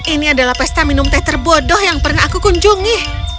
ini adalah pesta minum teh terbodoh yang pernah aku kunjungi